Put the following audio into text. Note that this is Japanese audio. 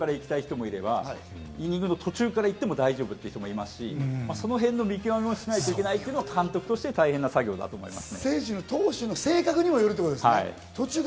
ピッチャーの性格やタイプによって、イニングの先頭から行きたい人もいればイニングの途中から行っても大丈夫という人もいますし、そのへんの見極めもしなきゃいけないというのは監督として大変な作業だと思います。